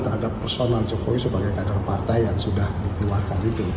terhadap personal jokowi sebagai kader partai yang sudah dikeluarkan itu